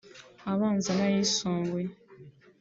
abanza n’ayisumbuye